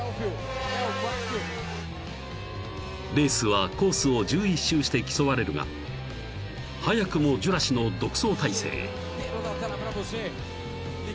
［レースはコースを１１周して競われるが早くもジュラシの独走態勢］